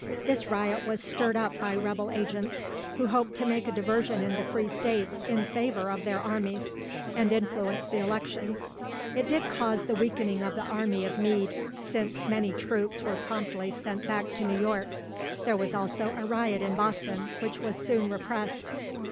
This riot was stirred up by rebel agents, who hoped to make a diversion in the free states in favour of their armies, and influence the elections. It did cause the weakening of the army of Meade, since many troops were promptly sent back to New York. There was also a riot in Boston, which was soon repressed.